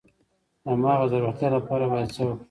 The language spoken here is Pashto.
د مغز د روغتیا لپاره باید څه وکړم؟